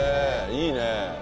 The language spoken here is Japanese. いいね。